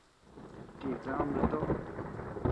Chíika ama nutoʼo.